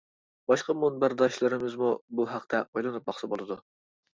باشقا مۇنبەرداشلىرىمىزمۇ بۇ ھەقتە ئويلىنىپ باقسا بولىدۇ!